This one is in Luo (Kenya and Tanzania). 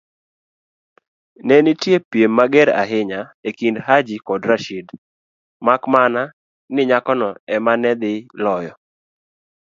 Nenitie piem mager ahinya ekind Haji kod Rashid, makmana ni nyakono ema nedhi loyo.